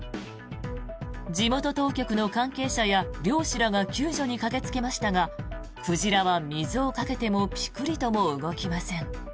地元当局の関係者や漁師らが救助に駆けつけましたが鯨は水をかけてもピクリとも動きません。